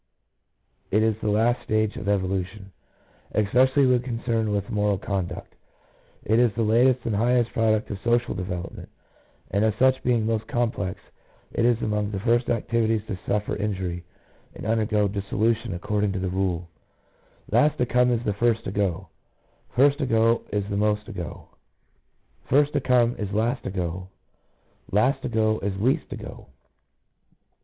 It is the last stage of evolution, especially when concerned with moral conduct ; it is the latest and highest product of social development, and as such being most complex, it is among the first activities to suffer injury and undergo dissolution according to the rule, " Last to come is first to go, first to go is most to go. First to come is last to go, last to go is least to go."